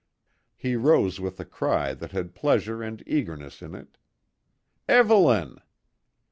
He rose with a cry that had pleasure and eagerness in it: "Evelyn!"